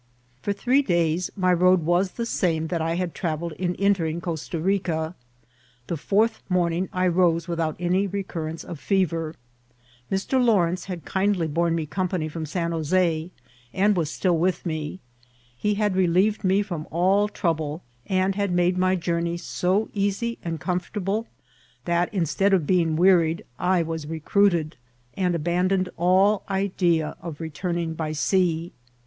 For three days my road was the same that I had travelled in entering Costa Bica. The fourth morning I rose without any recurrence of fever. Mr. Law rence had kindly borne me ccxnpany from San Jos6, and was still with me ; he had relieved me from all troublci and had made my journey so easy and comfortable that, instead of being wearied, I was recruited, and abandoned all idea of returning byjsea.